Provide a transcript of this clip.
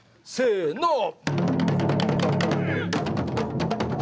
せの！